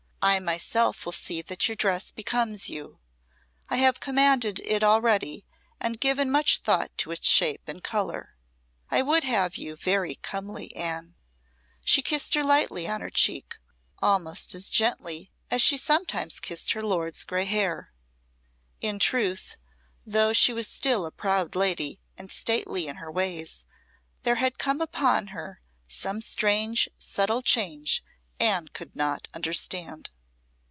I myself will see that your dress becomes you. I have commanded it already, and given much thought to its shape and colour. I would have you very comely, Anne." And she kissed her lightly on her cheek almost as gently as she sometimes kissed her lord's grey hair. In truth, though she was still a proud lady and stately in her ways, there had come upon her some strange subtle change Anne could not understand.